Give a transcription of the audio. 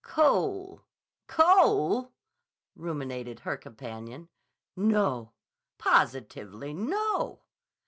"Cole? Cole!" ruminated her companion. "No. Positively no!"